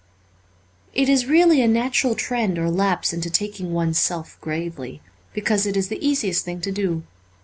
It is really a natural trend or lapse into taking one's self gravely, because it is the easiest thing to do.